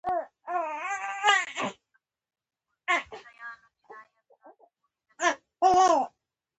د یهودانو او مسلمانانو ترمنځ جنجال له همدې ګاونډیتوبه زیږېدلی.